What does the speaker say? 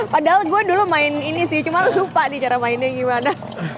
padahal gue dulu main ini sih cuma lo lupa nih cara mainnya gimana